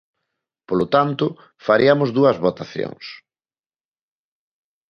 Polo tanto, fariamos dúas votacións.